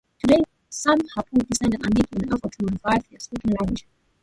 Today some Wappo descendants are making an effort to revive their spoken language.